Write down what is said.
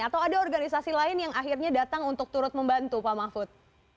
atau ada organisasi lain yang akhirnya datang untuk turut membantu pak mahfud